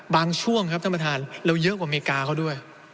ช่วงครับท่านประธานเราเยอะกว่าอเมริกาเขาด้วย